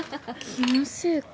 気のせいか。